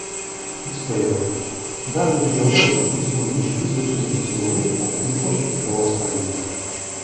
Дисклеймер! Данный видеоролик призван лишь вызвать у зрителя улыбку и не хочет никого оскорбить.